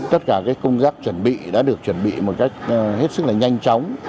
tất cả công tác chuẩn bị đã được chuẩn bị một cách hết sức là nhanh chóng